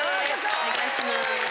お願いします。